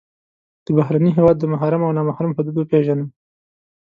د بهرني هېواد د محرم او نا محرم حدود وپېژنه.